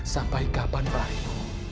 sampai kapan pak reno